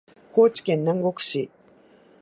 高知県南国市